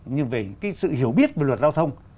nhưng về cái sự hiểu biết về luật giao thông